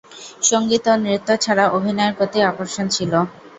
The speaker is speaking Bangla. সংগীত ও নৃত্য ছাড়াও অভিনয়ের প্রতি আকর্ষণ ছিল।